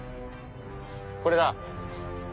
これだ。